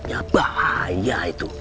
itu sangat berbahaya